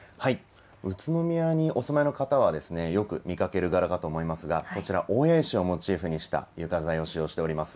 宇都宮にお住まいの方は、よく見かける柄かと思いますが、こちら、大谷石をモチーフにした床材を使用しております。